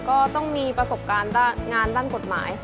ก็ต้องมีประสบการณ์การด้านกฎหมาย